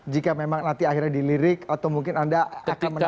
jika memang nanti akhirnya dilirik atau mungkin anda akan menanggung